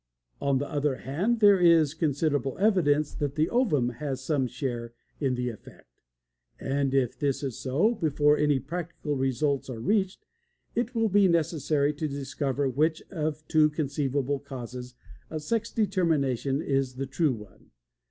On the other hand, there is considerable evidence that the ovum has some share in the effect, and if this is so, before any practical results are reached it will be necessary to discover which of two conceivable causes of sex determination is the true one.